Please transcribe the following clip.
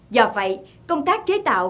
do vậy công tác chế tạo